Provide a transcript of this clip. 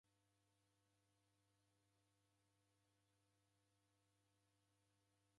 Mwatulituli wapo wachua vidio